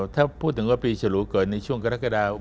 ถ้าพูดถึงว่าปีฉลูเกิดในช่วงกรกฎา